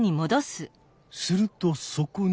するとそこに！